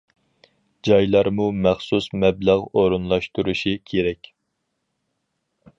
جايلارمۇ مەخسۇس مەبلەغ ئورۇنلاشتۇرۇشى كېرەك.